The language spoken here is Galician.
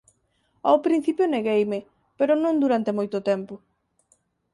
Ao principio negueime, pero non durante moito tempo.